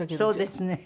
そうですね。